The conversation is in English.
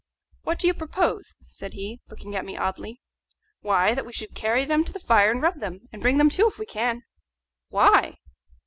"What do you propose?" said he, looking at me oddly. "Why, that we should carry them to the fire and rub them, and bring them to if we can." "Why?"